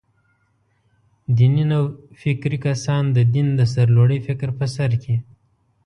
دیني نوفکري کسان «د دین د سرلوړۍ» فکر په سر کې.